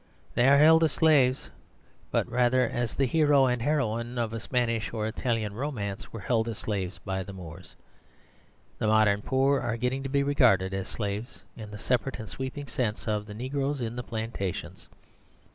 They are held as slaves, but rather as the hero and heroine of a Spanish or Italian romance were held as slaves by the Moors. The modern poor are getting to be regarded as slaves in the separate and sweeping sense of the negroes in the plantations.